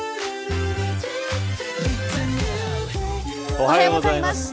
おはようございます。